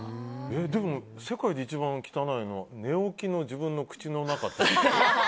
でも世界で一番汚いのは寝起きの自分の口の中。